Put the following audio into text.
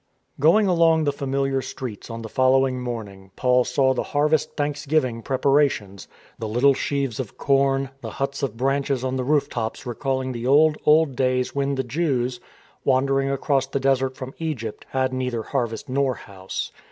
Going along the familiar streets on the following morning, Paul saw the Harvest Thanksgiving prep arations, the little sheaves of corn, the huts of branches on the roof tops recalling the old, old days when the Jews, wandering across the desert from Egypt, had neither harvest nor house.